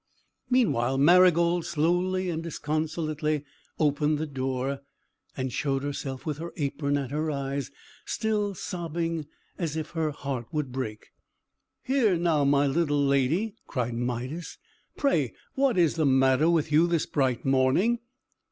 Meanwhile, Marygold slowly and disconsolately opened the door, and showed herself with her apron at her eyes, still sobbing as if her heart would break. "How now, my little lady!" cried Midas. "Pray what is the matter with you, this bright morning?"